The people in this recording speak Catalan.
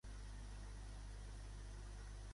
Què se'n diu d'Agravain en termes de personalitat?